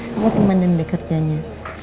kamu pemandang deh kerjanya